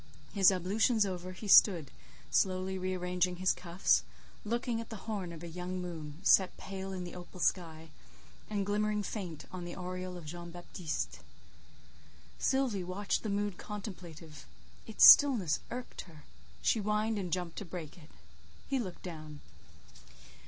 His ablutions over, he stood, slowly re arranging his cuffs, looking at the horn of a young moon, set pale in the opal sky, and glimmering faint on the oriel of Jean Baptiste. Sylvie watched the mood contemplative; its stillness irked her; she whined and jumped to break it. He looked down.